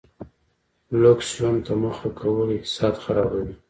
لوکس ژوند ته مخه کول اقتصاد خرابوي.